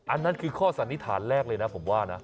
อันนั้นคือข้อสันนิษฐานแรกเลยนะผมว่านะ